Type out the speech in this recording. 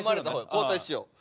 交代しよう。